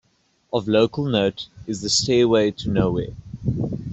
Of local note is The Stairway to Nowhere.